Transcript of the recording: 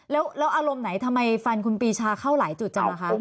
แล้วอารมณ์ไหนทำไมฟันคุณปีชาเข้าหลายจุดจังอ่ะคะ